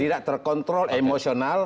tidak terkontrol emosional